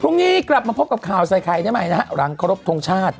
พรุ่งนี้กลับมาพบกับข่าวใส่ไข่ได้ใหม่นะฮะหลังครบทรงชาติ